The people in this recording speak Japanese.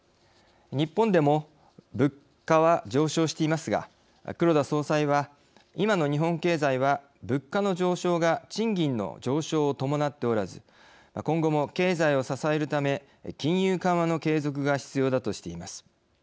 日本でも物価は上昇していますが黒田総裁は今の日本経済は物価の上昇が賃金の上昇を伴っておらず今後も経済を支えるため金融緩和の継続が必要だとしています。